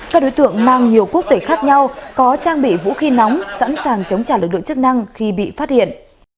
các đối tượng mang nhiều quốc tịch khác nhau có trang bị vũ khí nóng sẵn sàng chống trả lực lượng chức năng khi bị phát hiện